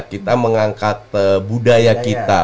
kita mengangkat budaya kita